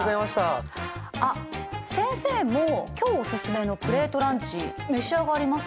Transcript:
あ先生も今日おすすめのプレートランチ召し上がります？